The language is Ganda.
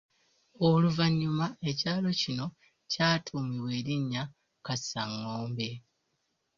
Oluvannyuma ekyalo kino kyatuumibwa erinnya Kaasangombe.